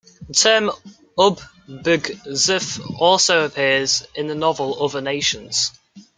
The term Ub-Bg-zth also appears in the novel Other Nations.